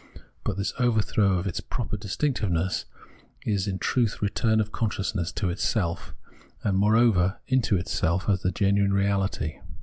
But this overthrow of its proper distinctiveness is in truth a return of consciousness into itself, and moreover into itself as the genuine reahty.